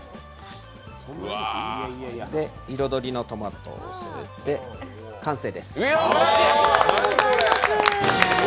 彩りのトマトを添えて完成です。